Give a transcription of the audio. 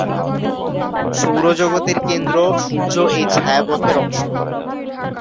সৌরজগৎের কেন্দ্র সূর্য এই ছায়াপথের অংশ।